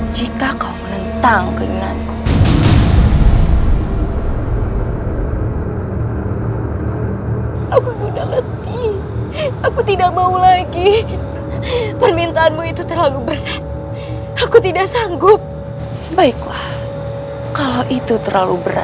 jangan sampai kabur